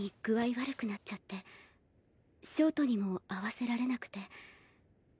悪くなっちゃって焦凍にも会わせられなくて。